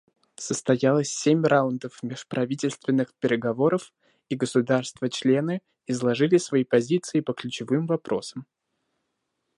Состоялось семь раундов межправительственных переговоров, и государства-члены изложили свои позиции по ключевым вопросам.